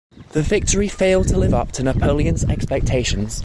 The victory failed to live up to Napoleon's expectations.